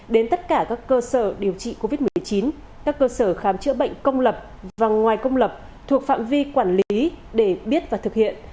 đến tất cả các cơ sở điều trị covid một mươi chín các cơ sở khám chữa bệnh công lập và ngoài công lập thuộc phạm vi quản lý để biết và thực hiện